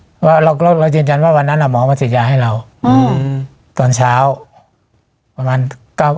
เพราะว่าเราก็เรายืนยันว่าวันนั้นอ่ะหมอมาฉีดยาให้เราอืมตอนเช้าประมาณเก้า